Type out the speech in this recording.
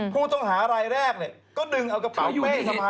ผู้ต้องหารายแรกเนี่ยก็ดึงเอากระเป๋าเป้สภาย